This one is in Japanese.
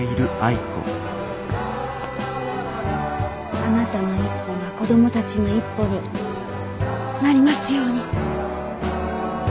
あなたの一歩が子供たちの一歩になりますように。